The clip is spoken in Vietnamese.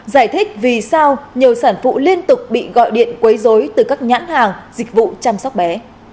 giải thích vì sao nhiều sản phụ liên tục bị gọi điện quấy dối từ các nhãn hàng dịch vụ chăm sóc bé